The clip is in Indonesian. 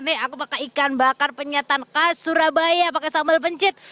nih aku pakai ikan bakar penyetan khas surabaya pakai sambal pencit